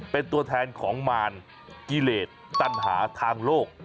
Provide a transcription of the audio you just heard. เป็นตัวแทนของมารกิเลสตัญหาทางโลก